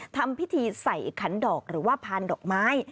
ทำพิธีใส่ขันดอกหรือว่าพานดอกไม้